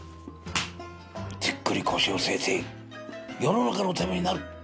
じっくり腰を据えて世の中のためになる。